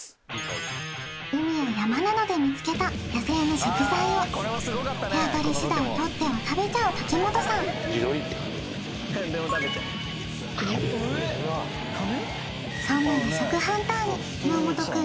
海や山などで見つけた野生の食材を手当たりしだいとっては食べちゃう茸本さんそんなこれはえっこれですか？